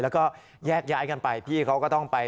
แล้วก็แยกย้ายกันไป